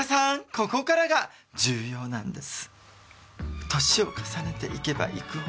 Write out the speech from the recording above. ここからが重要なんです。